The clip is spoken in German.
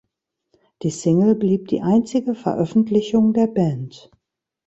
Die Single blieb die einzige Veröffentlichung der Band.